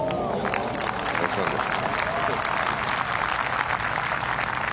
ナイスオンです。